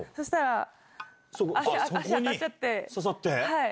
はい。